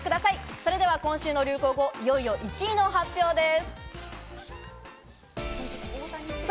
それでは今週の流行語、いよいよ１位の発表です。